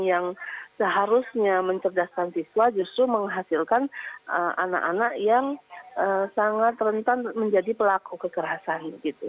yang seharusnya mencerdaskan siswa justru menghasilkan anak anak yang sangat rentan menjadi pelaku kekerasan